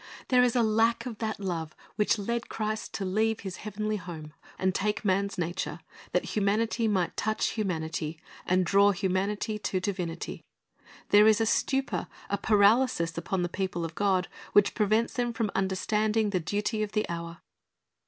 There is a lack of that love which led Christ to leave His heavenly home and take man's nature, that humanity might touch humanity, and draw humanity to divinity. There is a stupor, a paralysis, upon the people of God, which prevents them from understanding the duty of the hour.